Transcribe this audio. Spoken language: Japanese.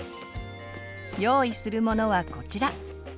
用意する物はこちら。